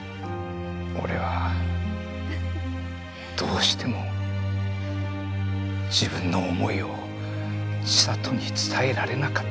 俺はどうしても自分の思いを千里に伝えられなかった。